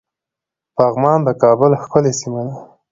پغمان د کابل ښکلی سيمه ده